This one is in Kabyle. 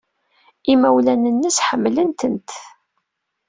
Imawlan-nnes ḥemmlen-tent.